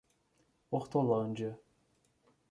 Hortolândia